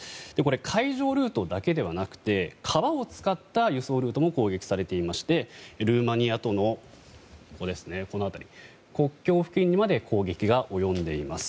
海上ルートだけではなくて川を使った輸送ルートも攻撃されていましてルーマニアとの国境付近にまで攻撃が及んでいます。